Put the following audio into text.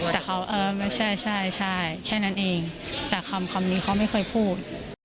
แต่เขาเออไม่ใช่ใช่แค่นั้นเองแต่คำนี้เขาไม่เคยพูด